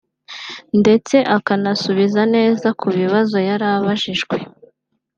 ndetse akanasubiza neza ku kibazo yari abajijwe